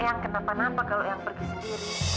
eyang kenapa napa kalau eyang pergi sendiri